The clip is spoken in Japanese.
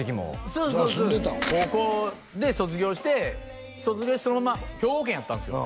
そうです高校で卒業して卒業してそのまま兵庫県やったんすよ